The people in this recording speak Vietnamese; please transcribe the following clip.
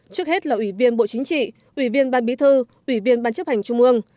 trước hết là ủy viên bộ chính trị ủy viên ban bí thư ủy viên ban chấp hành trung ương